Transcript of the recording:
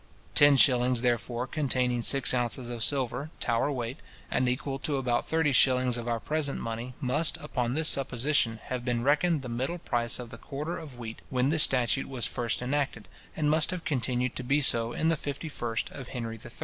Ten shillings, therefore, containing six ounces of silver, Tower weight, and equal to about thirty shillings of our present money, must, upon this supposition, have been reckoned the middle price of the quarter of wheat when this statute was first enacted, and must have continued to be so in the 51st of Henry III.